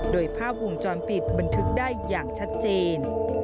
โดยภาพวงจรปิดบันทึกได้อย่างชัดเจน